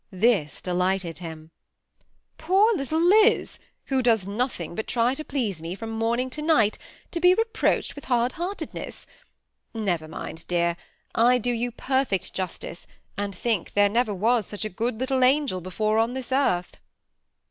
This delighted him. Poor little Liz, who does nothing but try to please me from morning to night, to be reproached with hard heartedness ! Never mind, dear; I do you perfect jus tice, and think there never was such a good little angel before on this earth."